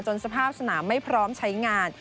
สภาพสนามไม่พร้อมใช้งาน